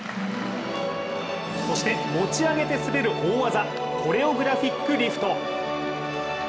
そして持ち上げて滑る大技コレオグラフィックリフト。